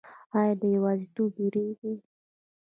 ایا له یوازیتوب ویریږئ؟